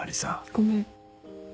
ごめん。